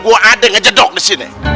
gua ada ngedok disini